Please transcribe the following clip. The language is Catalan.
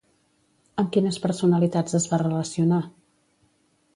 Amb quines personalitats es va relacionar?